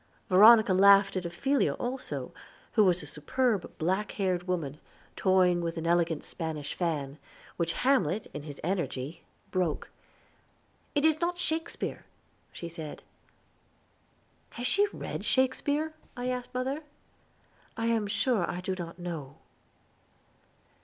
Veronica laughed at Ophelia, also, who was a superb, black haired woman, toying with an elegant Spanish fan, which Hamlet in his energy broke. "It is not Shakespeare," she said. "Has she read Shakespeare?" I asked mother. "I am sure I do not know."